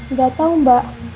nggak tau mbak